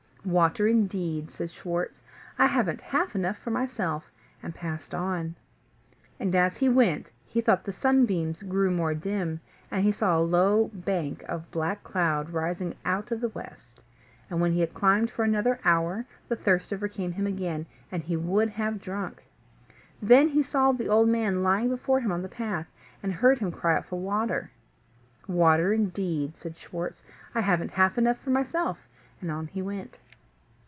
"Water, indeed," said Schwartz; "I haven't half enough for myself," and passed on. And as he went he thought the sunbeams grew more dim, and he saw a low bank of black cloud rising out of the west; and, when he had climbed for another hour, the thirst overcame him again, and he would have drunk. Then he saw the old man lying before him on the path, and heard him cry out for water. "Water, indeed," said Schwartz; "I haven't half enough for myself," and on he went.